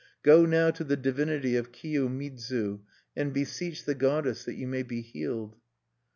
Go now to the divinity of Kiyomidzu, and beseech the goddess that you may be healed."